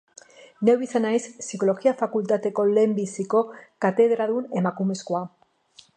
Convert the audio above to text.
Neu izan naiz Psikologia fakultateko lehenbiziko katedradun emakumezkoa.